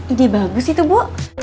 ide bagus itu bu